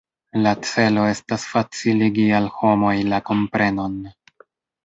La celo estas faciligi al homoj la komprenon.